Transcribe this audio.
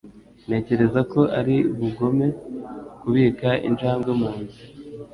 Ntekereza ko ari ubugome kubika injangwe mu nzu.